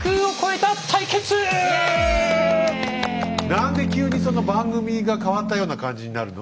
何で急にそんな番組が変わったような感じになるの？